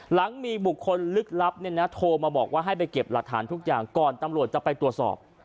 หลังมีบุคคลลึกลับเนี่ยนะโทรมาบอกว่าให้ไปเก็บหลักฐานทุกอย่างก่อนตำรวจจะไปตรวจสอบ